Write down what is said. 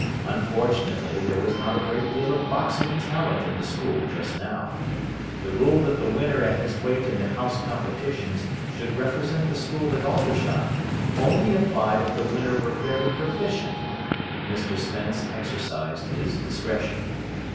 Unfortunately, there was not a great deal of boxing talent in the school just now. The rule that the winner at his weight in the House Competitions should represent the school at Aldershot only applied if the winner were fairly proficient. Mr Spence exercised his discretion.